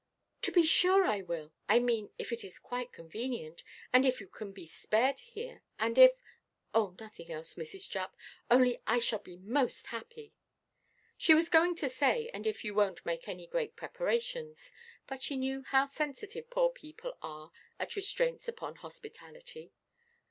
"To be sure I will. I mean, if it is quite convenient, and if you can be spared here, and if—oh nothing else, Mrs. Jupp, only I shall be most happy." She was going to say, "and if you wonʼt make any great preparations," but she knew how sensitive poor people are at restraints upon hospitality.